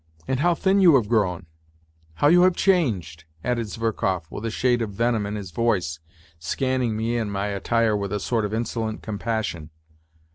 " And how thin you have grown ! How you have changed !" added Zverkov, with a shade of venom in his voice, scanning me and my attire with a sort of insolent compassion.